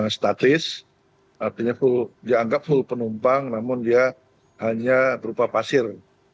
statis artinya dianggap full penumpang namun dia hanya berupa pasir